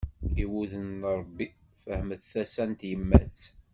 I wudem n Rebbi, fehmet tasa n tyemmat.